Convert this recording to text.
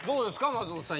松本さん